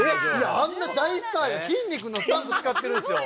あんな大スターがきんに君のスタンプ使ってるんですよ。